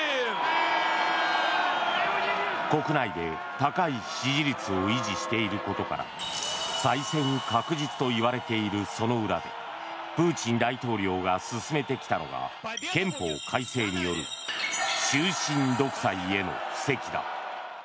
国内で高い支持率を維持していることから再選確実といわれているその裏でプーチン大統領が進めてきたのが憲法改正による終身独裁への布石だ。